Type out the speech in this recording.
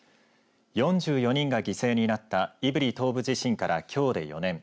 ４４人が犠牲になった胆振東部地震からきょうで４年。